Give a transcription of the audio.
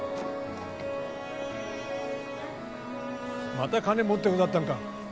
また金持ってござったんか